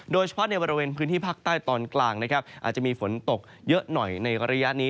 โดยเฉพาะในบริเวณพื้นที่ภาคใต้ตอนกลางนะครับอาจจะมีฝนตกเยอะหน่อยในระยะนี้